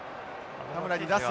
田村に出す。